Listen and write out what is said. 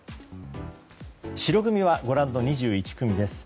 白組はご覧の２１組です。